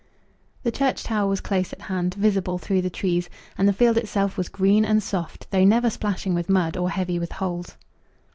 The church tower was close at hand, visible through the trees, and the field itself was green and soft, though never splashing with mud or heavy with holes.